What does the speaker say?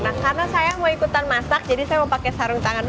nah karena saya mau ikutan masak jadi saya mau pakai sarung tangan dulu